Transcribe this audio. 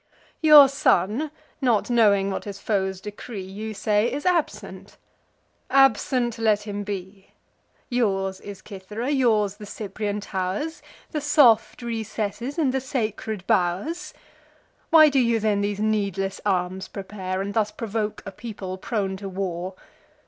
Your son, not knowing what his foes decree, You say, is absent: absent let him be. Yours is Cythera, yours the Cyprian tow'rs, The soft recesses, and the sacred bow'rs. Why do you then these needless arms prepare, And thus provoke a people prone to war?